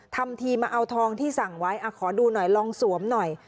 ทำทีมาเอาทองที่สั่งไว้ขอดูหน่อยลองสวมหน่อย